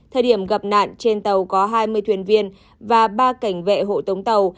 thời điểm gặp nạn trên tàu có hai mươi thuyền viên và ba cảnh vệ hộ tống tàu